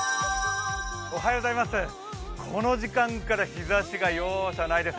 この時間から日ざしが容赦ないです。